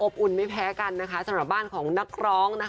อบอุ่นไม่แพ้กันสำหรับบ้านของนักร้อง